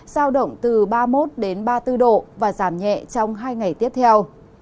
giao động từ ba mươi một ba mươi bốn độ và giảm nhẹ trong hai ngày tiếp theo